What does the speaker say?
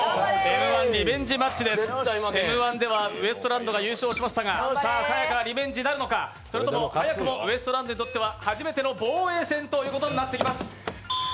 Ｍ−１ではウエストランドが優勝しましたがさや香はリベンジなるのか、それとも早くもウエストランドにとっては初めての防衛戦となっています。